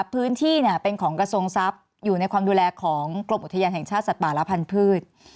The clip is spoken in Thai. พื้นที่เป็นของกระทรวงทรัพย์อยู่ในความดูแลของกรมอุทยานแห่งชาติสัตว์ป่าและพันธุ์